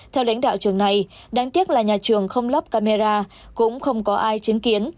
theo lãnh đạo trường này đáng tiếc là nhà trường không lắp camera cũng không có ai chứng kiến